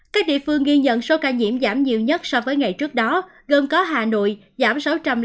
các địa phương ghi nhận số ca nhiễm giảm nhiều nhất so với ngày trước đó gồm có hà nội giảm sáu trăm năm mươi